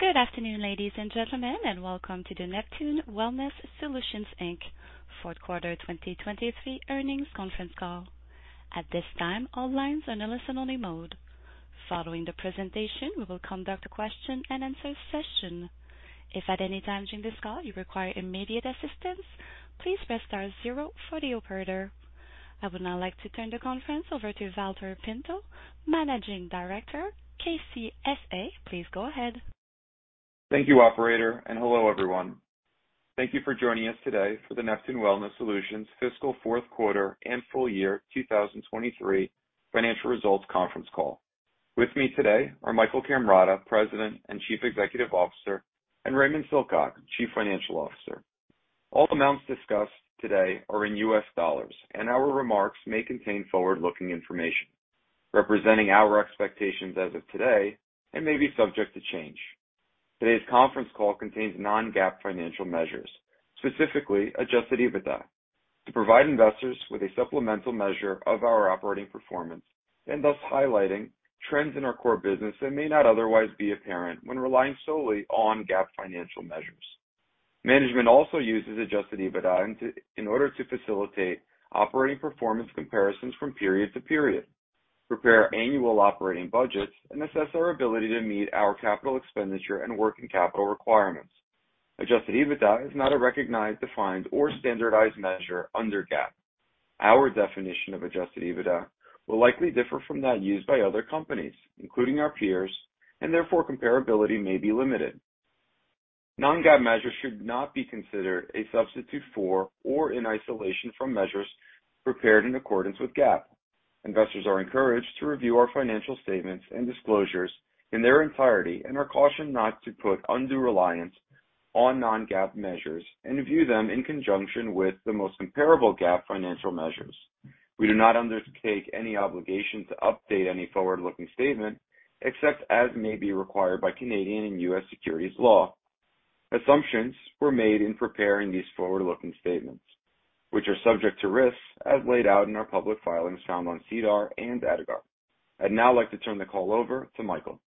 Good afternoon, ladies and gentlemen, and welcome to the Neptune Wellness Solutions Inc. 4Q 2023 earnings conference call. At this time, all lines are in a listen-only mode. Following the presentation, we will conduct a question-and-answer session. If at any time during this call you require immediate assistance, please press star zero for the operator. I would now like to turn the conference over to Valter Pinto, Managing Director, KCSA. Please go ahead. Thank you, operator. Hello, everyone. Thank you for joining us today for the Neptune Wellness Solutions fiscal 4Q and full year 2023 financial results conference call. With me today are Michael Cammarata, President and Chief Executive Officer, and Raymond Silcock, Chief Financial Officer. All amounts discussed today are in $, and our remarks may contain forward-looking information representing our expectations as of today and may be subject to change. Today's conference call contains non-GAAP financial measures, specifically Adjusted EBITDA, to provide investors with a supplemental measure of our operating performance and thus highlighting trends in our core business that may not otherwise be apparent when relying solely on GAAP financial measures. Management also uses Adjusted EBITDA. in order to facilitate operating performance comparisons from period to period, prepare annual operating budgets, and assess our ability to meet our capital expenditure and working capital requirements. Adjusted EBITDA is not a recognized, defined, or standardized measure under GAAP. Our definition of Adjusted EBITDA will likely differ from that used by other companies, including our peers, and therefore comparability may be limited. Non-GAAP measures should not be considered a substitute for or in isolation from measures prepared in accordance with GAAP. Investors are encouraged to review our financial statements and disclosures in their entirety and are cautioned not to put undue reliance on non-GAAP measures and view them in conjunction with the most comparable GAAP financial measures. We do not undertake any obligation to update any forward-looking statement, except as may be required by Canadian and US securities law. Assumptions were made in preparing these forward-looking statements, which are subject to risks as laid out in our public filings found on SEDAR and EDGAR. I'd now like to turn the call over to Michael.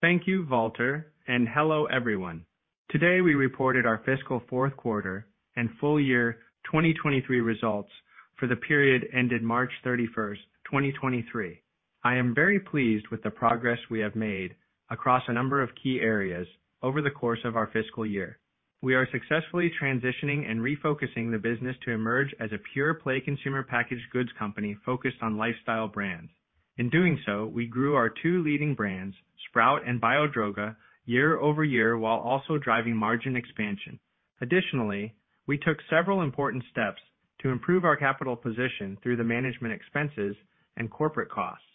Thank you, Walter, and hello, everyone. Today, we reported our fiscal 4Q and full year 2023 results for the period ended March 31st, 2023. I am very pleased with the progress we have made across a number of key areas over the course of our fiscal year. We are successfully transitioning and refocusing the business to emerge as a pure-play consumer packaged goods company focused on lifestyle brands. In doing so, we grew our two leading brands, Sprout and Biodroga, year-over-year, while also driving margin expansion. Additionally, we took several important steps to improve our capital position through the management expenses and corporate costs,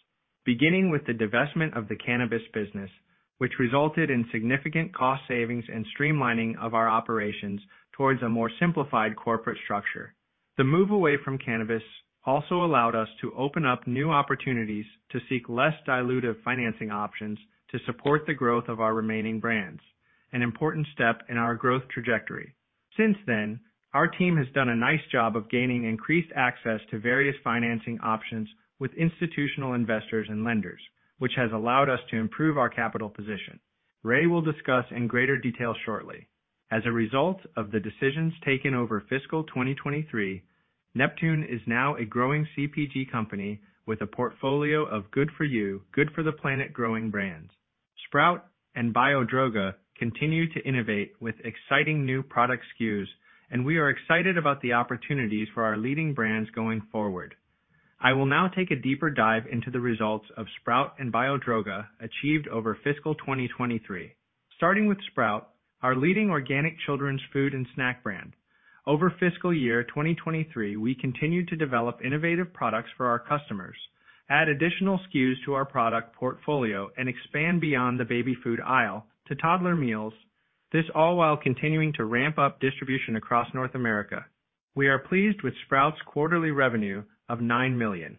beginning with the divestment of the cannabis business, which resulted in significant cost savings and streamlining of our operations towards a more simplified corporate structure. The move away from cannabis also allowed us to open up new opportunities to seek less dilutive financing options to support the growth of our remaining brands, an important step in our growth trajectory. Since then, our team has done a nice job of gaining increased access to various financing options with institutional investors and lenders, which has allowed us to improve our capital position. Ray will discuss in greater detail shortly. As a result of the decisions taken over fiscal 2023, Neptune is now a growing CPG company with a portfolio of good for you, good for the planet growing brands. Sprout and Biodroga continue to innovate with exciting new product SKUs, and we are excited about the opportunities for our leading brands going forward. I will now take a deeper dive into the results of Sprout and Biodroga achieved over fiscal 2023. Starting with Sprout, our leading organic children's food and snack brand. Over fiscal year 2023, we continued to develop innovative products for our customers, add additional SKUs to our product portfolio, and expand beyond the baby food aisle to toddler meals. This all while continuing to ramp up distribution across North America. We are pleased with Sprout's quarterly revenue of $9 million.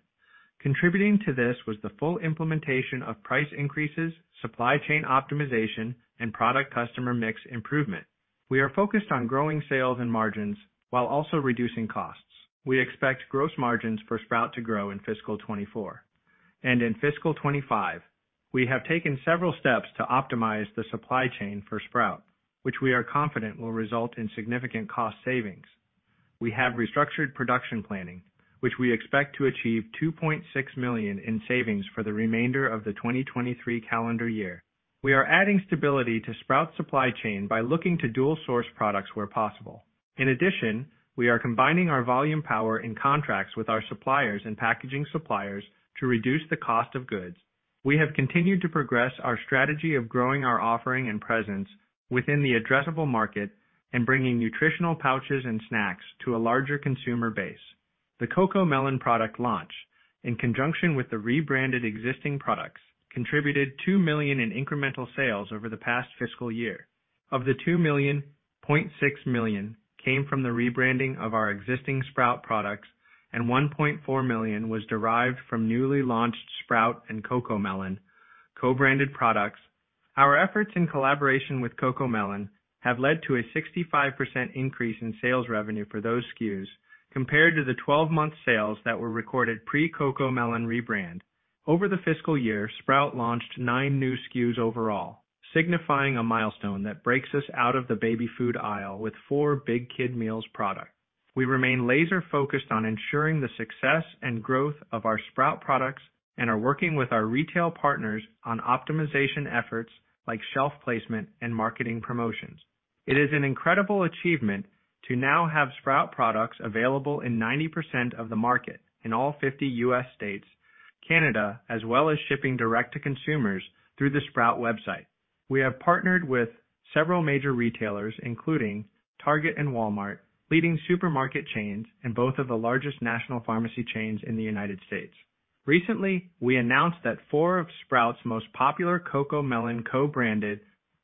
Contributing to this was the full implementation of price increases, supply chain optimization, and product-customer mix improvement. We are focused on growing sales and margins while also reducing costs. We expect gross margins for Sprout to grow in fiscal 2024. In fiscal 2025, we have taken several steps to optimize the supply chain for Sprout, which we are confident will result in significant cost savings. We have restructured production planning, which we expect to achieve $2.6 million in savings for the remainder of the 2023 calendar year. We are adding stability to Sprout's supply chain by looking to dual source products where possible. In addition, we are combining our volume power in contracts with our suppliers and packaging suppliers to reduce the cost of goods. We have continued to progress our strategy of growing our offering and presence within the addressable market and bringing nutritional pouches and snacks to a larger consumer base. The CoComelon product launch, in conjunction with the rebranded existing products, contributed $2 million in incremental sales over the past fiscal year. Of the $2 million, $0.6 million came from the rebranding of our existing Sprout products, and $1.4 million was derived from newly launched Sprout and CoComelon co-branded products.... Our efforts in collaboration with CoComelon have led to a 65% increase in sales revenue for those SKUs compared to the 12-month sales that were recorded pre-CoComelon rebrand. Over the fiscal year, Sprout launched nine new SKUs overall, signifying a milestone that breaks us out of the baby food aisle with four Big Kid Meals product. We remain laser-focused on ensuring the success and growth of our Sprout products and are working with our retail partners on optimization efforts like shelf placement and marketing promotions. It is an incredible achievement to now have Sprout products available in 90% of the market, in all 50 U.S. states, Canada, as well as shipping direct to consumers through the Sprout website. We have partnered with several major retailers, including Target and Walmart, leading supermarket chains in both of the largest national pharmacy chains in the United States. Recently, we announced that four of Sprout's most popular CoComelon co-branded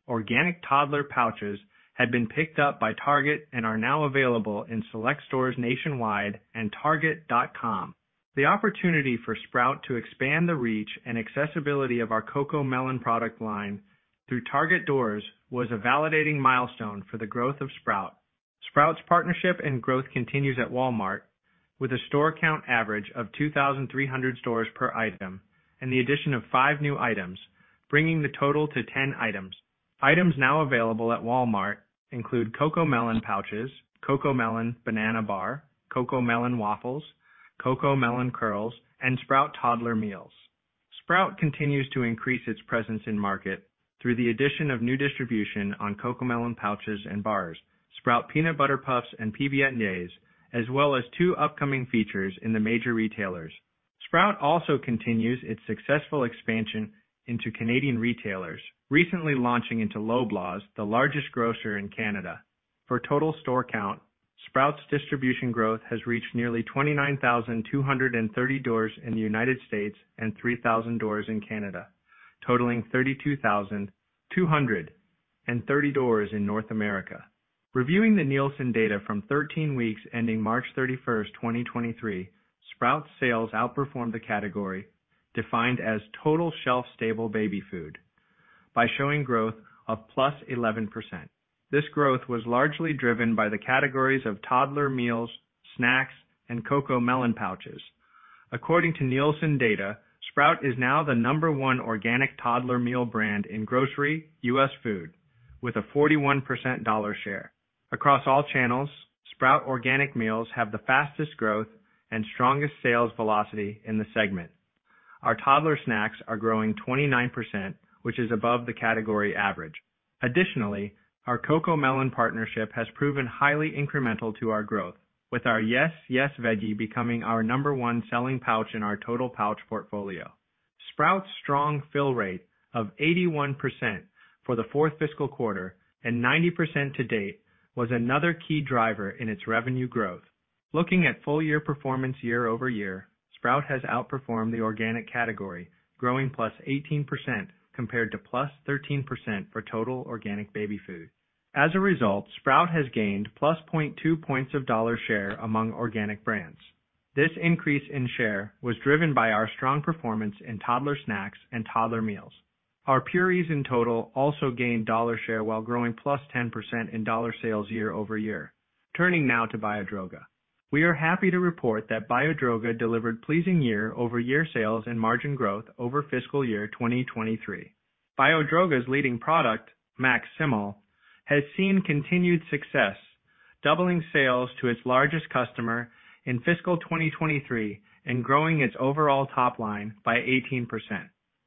organic toddler pouches had been picked up by Target and are now available in select stores nationwide and Target.com. The opportunity for Sprout to expand the reach and accessibility of our CoComelon product line through Target doors was a validating milestone for the growth of Sprout. Sprout's partnership and growth continues at Walmart, with a store count average of 2,300 stores per item and the addition of five new items, bringing the total to 10 items. Items now available at Walmart include CoComelon pouches, CoComelon banana bar, CoComelon Wafflez, CoComelon Curlz, and Sprout Toddler Meals. Sprout continues to increase its presence in market through the addition of new distribution on CoComelon pouches and bars, Sprout Peanut Butter Puffs and PB & Yayz, as well as two upcoming features in the major retailers. Sprout also continues its successful expansion into Canadian retailers, recently launching into Loblaw, the largest grocer in Canada. For total store count, Sprout's distribution growth has reached nearly 29,230 doors in the United States and 3,000 doors in Canada, totaling 32,230 doors in North America. Reviewing the Nielsen data from 13 weeks ending 31 March 2023, Sprout sales outperformed the category, defined as total shelf-stable baby food, by showing growth of +1%. This growth was largely driven by the categories of toddler meals, snacks, and CoComelon pouches. According to Nielsen data, Sprout is now the number 1 organic toddler meal brand in grocery U.S. food, with a 41% dollar share. Across all channels, Sprout organic meals have the fastest growth and strongest sales velocity in the segment. Our toddler snacks are growing 29%, which is above the category average. Our CoComelon partnership has proven highly incremental to our growth, with our Yes Veggies becoming our number one selling pouch in our total pouch portfolio. Sprout's strong fill rate of 81% for the fourth fiscal quarter and 90% to date was another key driver in its revenue growth. Looking at full year performance year-over-year, Sprout has outperformed the organic category, growing +18% compared to +13% for total organic baby food. As a result, Sprout has gained +0.2 points of dollar share among organic brands. This increase in share was driven by our strong performance in toddler snacks and toddler meals. Our Purees in total also gained dollar share while growing +10% in dollar sales year-over-year. Turning now to Biodroga. We are happy to report that Biodroga delivered pleasing year-over-year sales and margin growth over fiscal year 2023. Biodroga's leading product, MaxSimil, has seen continued success, doubling sales to its largest customer in fiscal 2023 and growing its overall top line by 18%.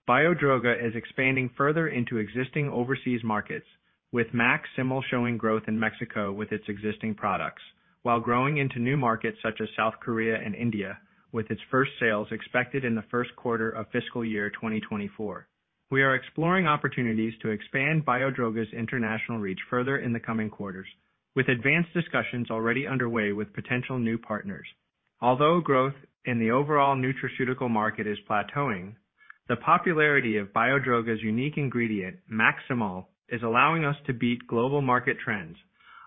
Biodroga is expanding further into existing overseas markets, with MaxSimil showing growth in Mexico with its existing products, while growing into new markets such as South Korea and India, with its first sales expected in the first quarter of fiscal year 2024. We are exploring opportunities to expand Biodroga's international reach further in the coming quarters, with advanced discussions already underway with potential new partners. Although growth in the overall nutraceutical market is plateauing, the popularity of Biodroga's unique ingredient, MaxSimil, is allowing us to beat global market trends.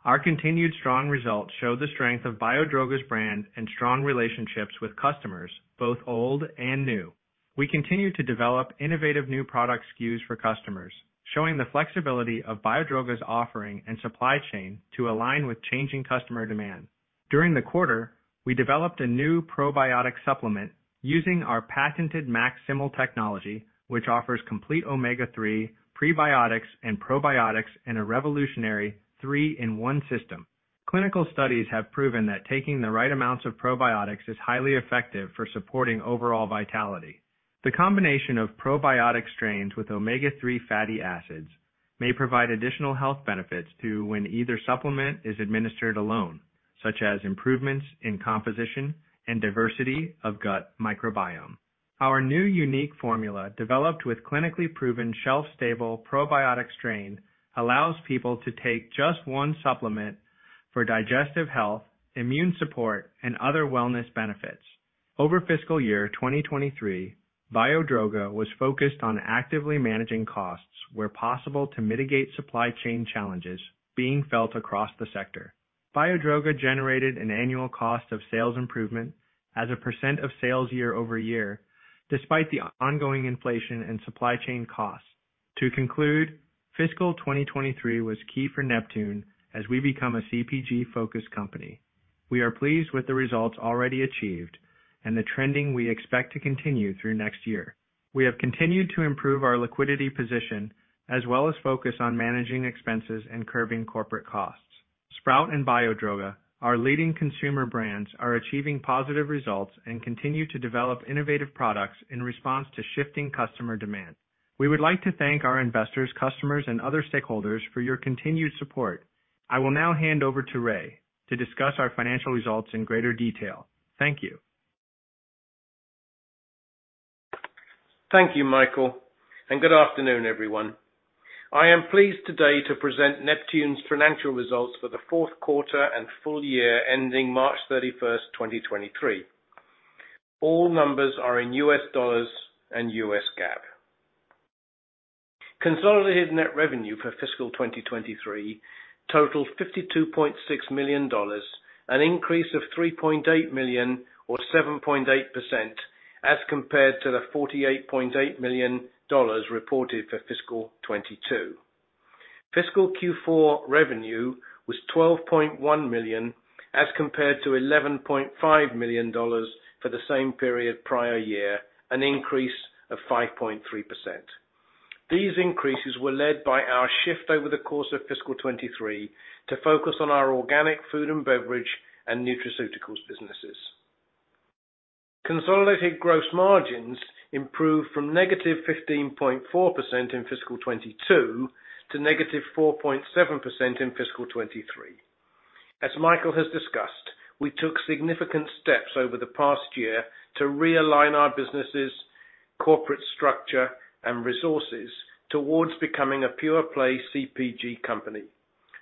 Our continued strong results show the strength of Biodroga's brand and strong relationships with customers, both old and new. We continue to develop innovative new product SKUs for customers, showing the flexibility of Biodroga's offering and supply chain to align with changing customer demand. During the quarter, we developed a new probiotic supplement using our patented MaxSimil technology, which offers complete omega-3 prebiotics and probiotics in a revolutionary three-in-one system. Clinical studies have proven that taking the right amounts of probiotics is highly effective for supporting overall vitality. The combination of probiotic strains with omega-3 fatty acids may provide additional health benefits to when either supplement is administered alone, such as improvements in composition and diversity of gut microbiome. Our new unique formula, developed with clinically proven, shelf-stable probiotic strain, allows people to take just one supplement for digestive health, immune support, and other wellness benefits. Over fiscal year 2023, Biodroga was focused on actively managing costs where possible to mitigate supply chain challenges being felt across the sector. Biodroga generated an annual cost of sales improvement as a percent of sales year-over-year, despite the ongoing inflation and supply chain costs. To conclude, fiscal 2023 was key for Neptune as we become a CPG-focused company. We are pleased with the results already achieved and the trending we expect to continue through next year. We have continued to improve our liquidity position, as well as focus on managing expenses and curbing corporate costs. Sprout and Biodroga, our leading consumer brands, are achieving positive results and continue to develop innovative products in response to shifting customer demand. We would like to thank our investors, customers, and other stakeholders for your continued support. I will now hand over to Ray to discuss our financial results in greater detail. Thank you. Thank you, Michael, and good afternoon, everyone. I am pleased today to present Neptune's financial results for the 4Q and full year ending 31 March 2023. All numbers are in U.S. dollars and U.S. GAAP. Consolidated net revenue for fiscal 2023 totaled $52.6 million, an increase of $3.8 million or 7.8% as compared to the $48.8 million reported for fiscal 2022. Fiscal Q4 revenue was $12.1 million, as compared to $11.5 million for the same period prior year, an increase of 5.3%. These increases were led by our shift over the course of fiscal 2023 to focus on our organic food and beverage and nutraceuticals businesses. Consolidated gross margins improved from -15.4% in fiscal 2022 to -4.7% in fiscal 2023. As Michael has discussed, we took significant steps over the past year to realign our businesses, corporate structure, and resources towards becoming a pure-play CPG company.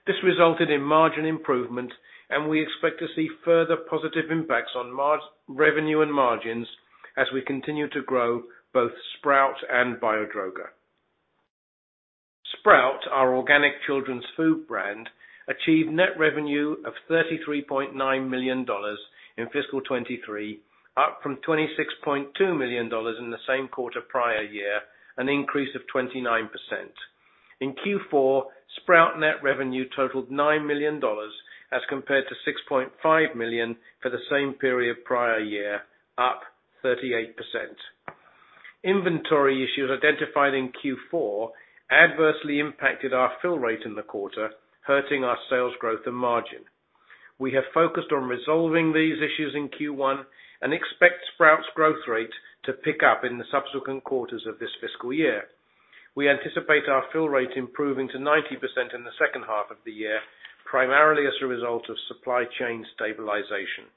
This resulted in margin improvement, and we expect to see further positive impacts on revenue and margins as we continue to grow both Sprout and Biodroga. Sprout, our organic children's food brand, achieved net revenue of $33.9 million in fiscal 2023, up from $26.2 million in the same quarter prior year, an increase of 29%. In Q4, Sprout net revenue totaled $9 million, as compared to $6.5 million for the same period prior year, up 38%. Inventory issues identified in Q4 adversely impacted our fill rate in the quarter, hurting our sales growth and margin. We have focused on resolving these issues in Q1 and expect Sprout's growth rate to pick up in the subsequent quarters of this fiscal year. We anticipate our fill rate improving to 90% in the H2 of the year, primarily as a result of supply chain stabilization.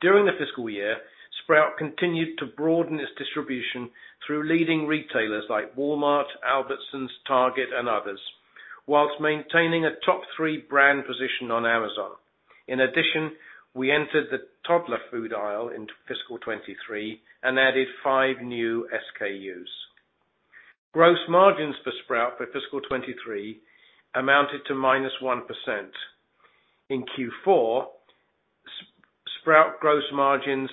During the fiscal year, Sprout continued to broaden its distribution through leading retailers like Walmart, Albertsons, Target, and others, whilst maintaining a top three brand position on Amazon. We entered the toddler food aisle in fiscal 2023 and added five new SKUs. Gross margins for Sprout for fiscal 2023 amounted to -1%. In Q4, Sprout gross margins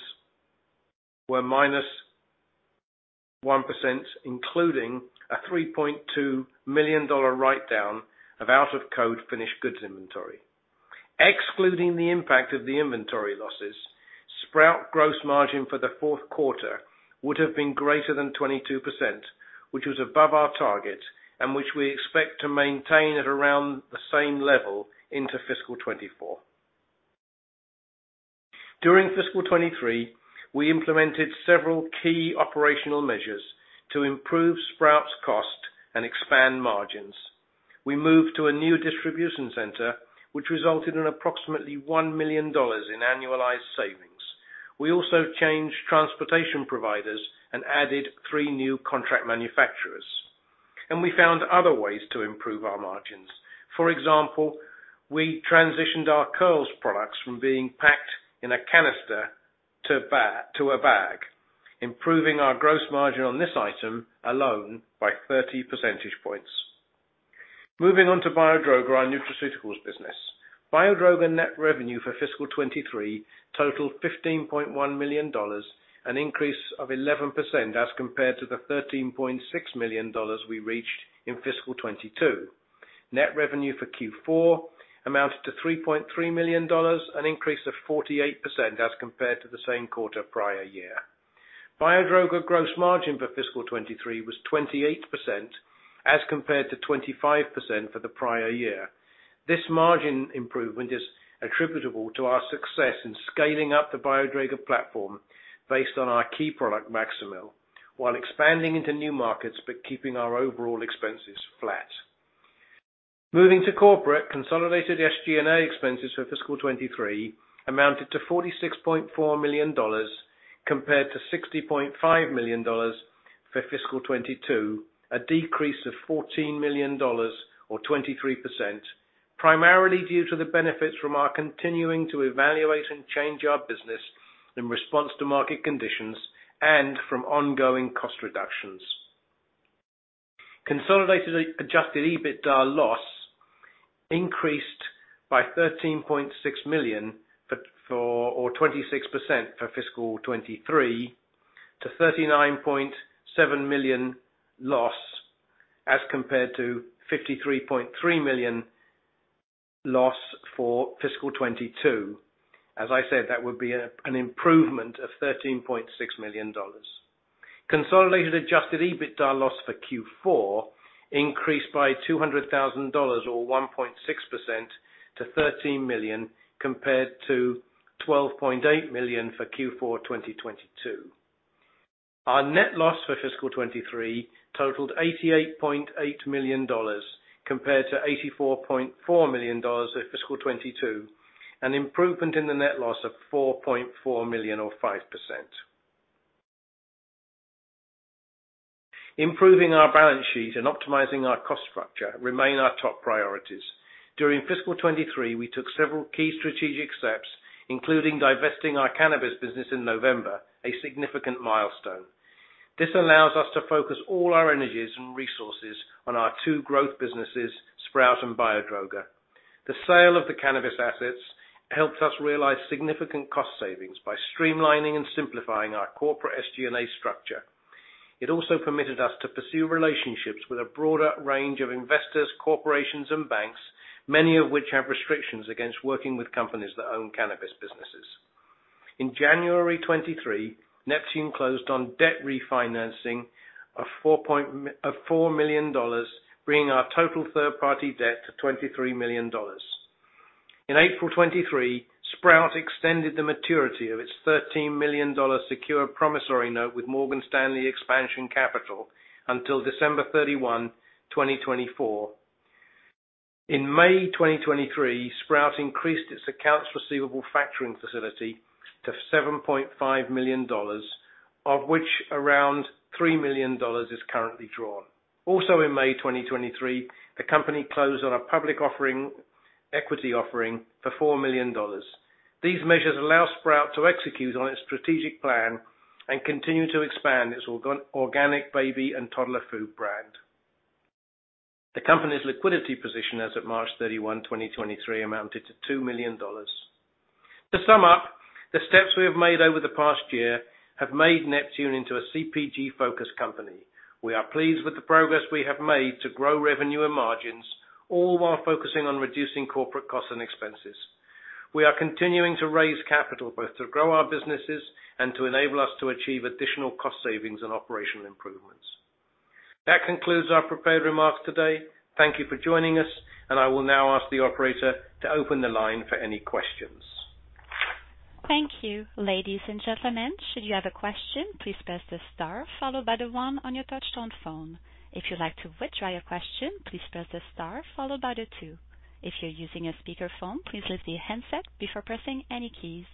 were -1%, including a $3.2 million write-down of out-of-code finished goods inventory. Excluding the impact of the inventory losses, Sprout gross margin for the 4Q would have been greater than 22%, which was above our target and which we expect to maintain at around the same level into fiscal 2024. During fiscal 2023, we implemented several key operational measures to improve Sprout's cost and expand margins. We moved to a new distribution center, which resulted in approximately $1 million in annualized savings. We also changed transportation providers and added three new contract manufacturers. We found other ways to improve our margins. For example, we transitioned our Curlz products from being packed in a canister to a bag, improving our gross margin on this item alone by 30 percentage points. Moving on to Biodroga, our nutraceuticals business. Biodroga net revenue for fiscal 2023 totaled $15.1 million, an increase of 11% as compared to the $13.6 million we reached in fiscal 2022. Net revenue for Q4 amounted to $3.3 million, an increase of 48% as compared to the same quarter prior year. Biodroga gross margin for fiscal 2023 was 24%, as compared to 25% for the prior year. This margin improvement is attributable to our success in scaling up the Biodroga platform based on our key product, MaxSimil, while expanding into new markets, but keeping our overall expenses flat. Moving to corporate, consolidated SG&A expenses for fiscal 2023 amounted to $46.4 million, compared to $60.5 million for fiscal 2022, a decrease of $14 million or 23%, primarily due to the benefits from our continuing to evaluate and change our business in response to market conditions and from ongoing cost reductions. consolidated Adjusted EBITDA loss increased by $13.6 million or 26% for fiscal 2023, to $39.7 million loss, as compared to $53.3 million loss for fiscal 2022. As I said, that would be an improvement of $13.6 million. Consolidated Adjusted EBITDA loss for Q4 increased by $200,000, or 1.6% to $13 million, compared to $12.8 million for Q4 2022. Our net loss for fiscal 2023 totaled $88.8 million, compared to $84.4 million for fiscal 2022, an improvement in the net loss of $4.4 million or 5%. Improving our balance sheet and optimizing our cost structure remain our top priorities. During fiscal 2023, we took several key strategic steps, including divesting our cannabis business in November, a significant milestone. This allows us to focus all our energies and resources on our two growth businesses, Sprout and Biodroga. The sale of the cannabis assets helped us realize significant cost savings by streamlining and simplifying our corporate SG&A structure. It also permitted us to pursue relationships with a broader range of investors, corporations, and banks, many of which have restrictions against working with companies that own cannabis businesses. In January 2023, Neptune closed on debt refinancing of $4 million, bringing our total third-party debt to $23 million. In April 2023, Sprout extended the maturity of its $13 million secured promissory note with Morgan Stanley Expansion Capital until 31 December 2024. In May 2023, Sprout increased its accounts receivable factoring facility to $7.5 million, of which around $3 million is currently drawn. In May 2023, the company closed on a public equity offering for $4 million. These measures allow Sprout to execute on its strategic plan and continue to expand its organic baby and toddler food brand. The company's liquidity position as of 31 March 2023, amounted to $2 million. To sum up, the steps we have made over the past year have made Neptune into a CPG-focused company. We are pleased with the progress we have made to grow revenue and margins, all while focusing on reducing corporate costs and expenses. We are continuing to raise capital, both to grow our businesses and to enable us to achieve additional cost savings and operational improvements. That concludes our prepared remarks today. Thank you for joining us, and I will now ask the operator to open the line for any questions. Thank you. Ladies and gentlemen, should you have a question, please press the star followed by the 1 on your touchtone phone. If you'd like to withdraw your question, please press the star followed by the 2. If you're using a speakerphone, please lift the handset before pressing any keys.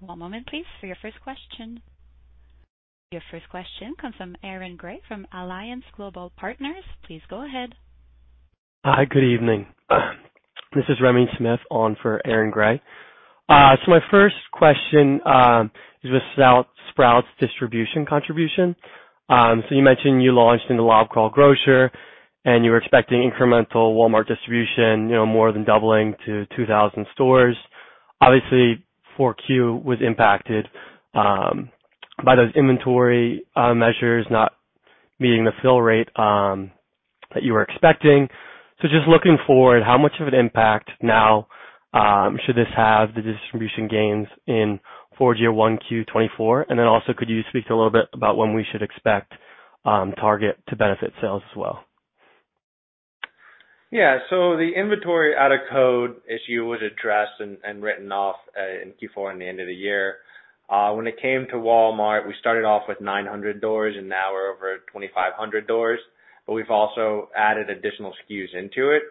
One moment, please, for your first question. Your first question comes from Aaron Grey, from Alliance Global Partners. Please go ahead. Hi, good evening. This is Remy Smith on for Aaron Grey. My first question is with Sprout's distribution contribution. You mentioned you launched in the Kroger, and you were expecting incremental Walmart distribution, you know, more than doubling to 2,000 stores. Obviously, 4Q was impacted by those inventory measures, not meeting the fill rate that you were expecting. Just looking forward, how much of an impact now should this have the distribution gains in four year 1Q 2024? Also, could you speak a little bit about when we should expect Target to benefit sales as well? The inventory out of code issue was addressed and written off in Q4 in the end of the year. When it came to Walmart, we started off with 900 doors, and now we're over 2,500 doors, but we've also added additional SKUs into it.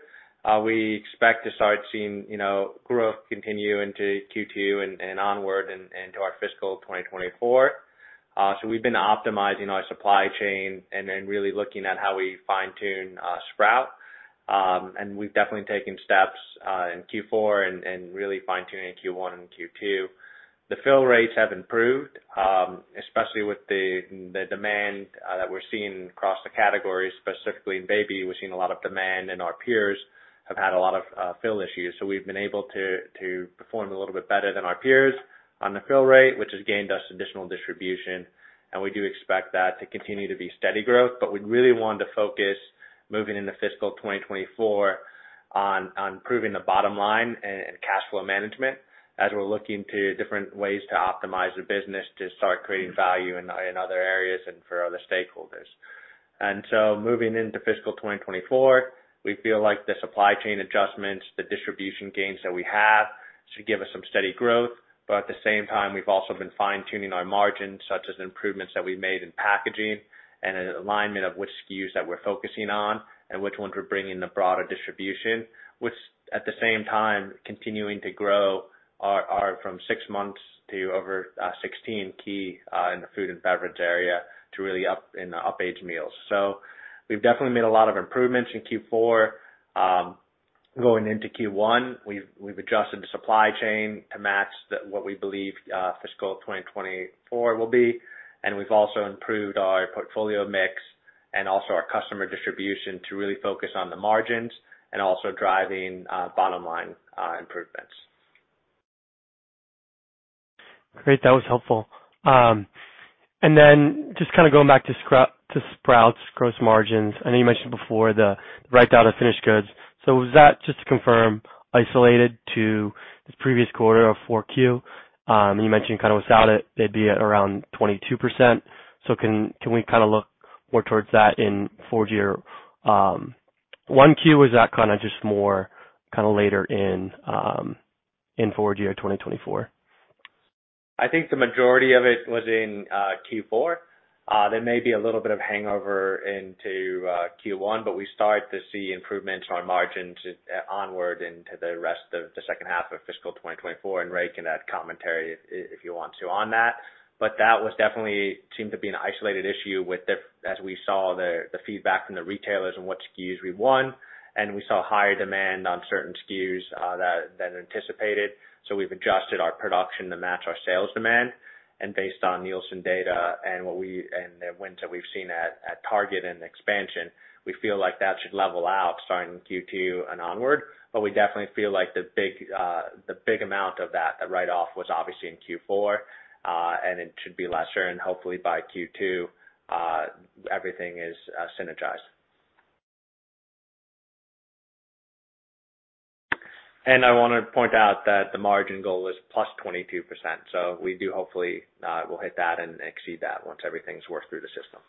We expect to start seeing, you know, growth continue into Q2 and onward and to our fiscal 2024. We've been optimizing our supply chain and then really looking at how we fine-tune Sprout. We've definitely taken steps in Q4 and really fine-tuning in Q1 and Q2. The fill rates have improved, especially with the demand that we're seeing across the categories. Specifically in baby, we're seeing a lot of demand, and our peers have had a lot of fill issues. We've been able to perform a little bit better than our peers on the fill rate, which has gained us additional distribution, and we do expect that to continue to be steady growth. We'd really want to focus, moving into fiscal 2024, on improving the bottom line and cashflow management, as we're looking to different ways to optimize the business to start creating value in other areas and for other stakeholders. Moving into fiscal 2024, we feel like the supply chain adjustments, the distribution gains that we have, should give us some steady growth. At the same time, we've also been fine-tuning our margins, such as improvements that we made in packaging and an alignment of which SKUs that we're focusing on and which ones we're bringing the broader distribution. At the same time continuing to grow our from six months to over 16 key in the food and beverage area, to really up in the up age meals. We've definitely made a lot of improvements in Q4. Going into Q1, we've adjusted the supply chain to match what we believe fiscal 2024 will be. We've also improved our portfolio mix and also our customer distribution to really focus on the margins and also driving bottom line improvements. Great! That was helpful. Just kind of going back to Sprout's gross margins. I know you mentioned before the write-down of finished goods. Was that, just to confirm, isolated to the previous quarter of 4Q? You mentioned kind of without it, they'd be at around 22%. Can we kind of look more towards that in full year, 1Q, or is that kind of just more kind of later in full year 2024? I think the majority of it was in Q4. There may be a little bit of hangover into Q1, but we start to see improvements on margins onward into the rest of the H2 of fiscal 2024. Ray can add commentary if you want to on that. That was definitely seemed to be an isolated issue with the... As we saw the feedback from the retailers on what SKUs we won, and we saw higher demand on certain SKUs than anticipated. We've adjusted our production to match our sales demand. Based on Nielsen data and what we, and the wins that we've seen at Target and expansion, we feel like that should level out starting Q2 and onward. We definitely feel like the big amount of that, the write-off, was obviously in Q4, and it should be lesser. Hopefully by Q2, everything is synergized. I want to point out that the margin goal is plus 22%, we do hopefully will hit that and exceed that once everything's worked through the system.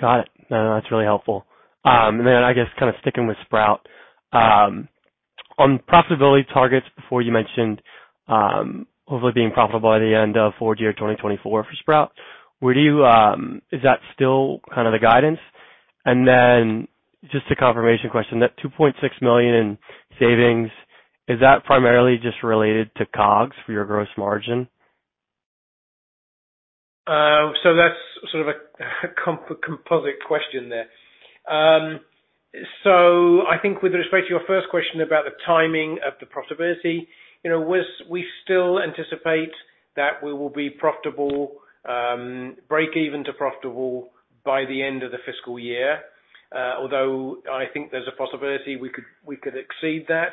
Got it. No, no, that's really helpful. Then I guess kind of sticking with Sprout. On profitability targets, before you mentioned, hopefully being profitable by the end of full year 2024 for Sprout. Would you, is that still kind of the guidance? Then just a confirmation question, that $2.6 million in savings, is that primarily just related to COGS for your gross margin? That's sort of a composite question there. I think with respect to your first question about the timing of the profitability, you know, we still anticipate that we will be profitable, break even to profitable by the end of the fiscal year. Although I think there's a possibility we could exceed that,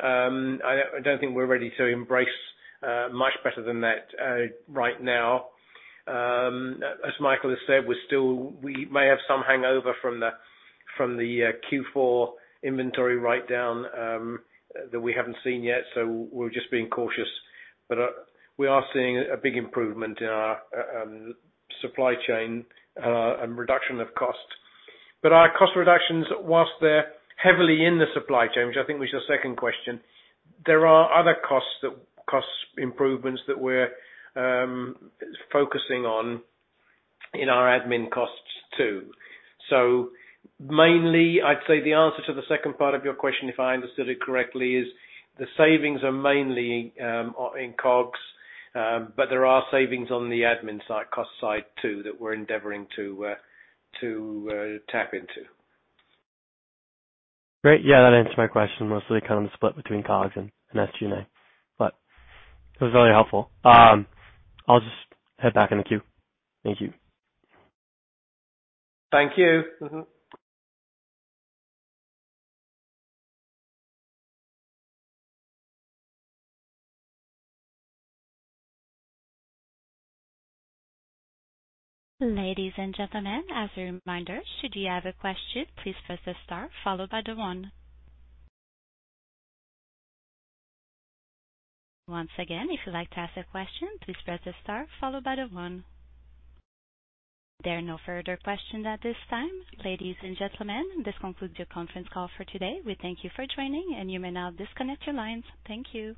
I don't think we're ready to embrace much better than that right now. As Michael has said, we may have some hangover from the Q4 inventory writedown that we haven't seen yet, so we're just being cautious. We are seeing a big improvement in our supply chain and reduction of cost. Our cost reductions, whilst they're heavily in the supply chain, which I think was your second question, there are other costs that, cost improvements that we're focusing on in our admin costs, too. Mainly, I'd say the answer to the second part of your question, if I understood it correctly, is the savings are mainly in COGS, but there are savings on the admin side, cost side, too, that we're endeavoring to tap into. Great. Yeah, that answered my question, mostly kind of the split between COGS and SG&A. It was really helpful. I'll just head back in the queue. Thank you. Thank you. Mm-hmm. Ladies and gentlemen, as a reminder, should you have a question, please press star followed by the one. Once again, if you'd like to ask a question, please press star followed by the one. There are no further questions at this time. Ladies and gentlemen, this concludes your conference call for today. We thank you for joining, and you may now disconnect your lines. Thank you.